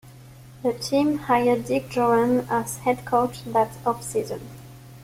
The team hired Dick Jauron as head coach that off-season.